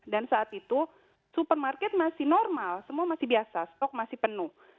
dan saat itu supermarket masih normal semua masih biasa stok masih penuh